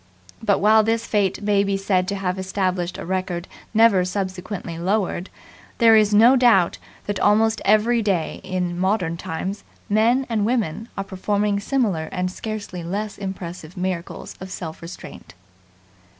But, while this feat may be said to have established a record never subsequently lowered, there is no doubt that almost every day in modern times men and women are performing similar and scarcely less impressive miracles of self restraint.